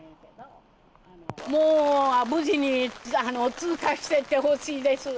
もう、無事に通過していってほしいです。